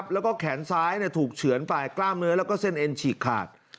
แล้วก็แขนซ้ายถูกเฉือนไปกล้ามเนื้อแล้วก็เส้นเอ็นฉีกขาด